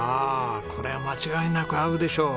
これは間違いなく合うでしょう。